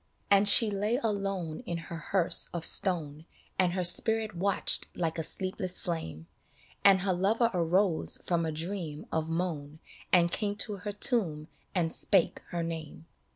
30 BALLAD And she lay alone in her hearse of stone And her spirit watched like a sleepless flame, And her lover arose from a dream of moan And came to her tomb and spake her name.